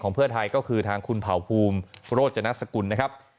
เพื่อไทยก็คือทางคุณเผ่าภูมิโรจนัสกุลนะครับ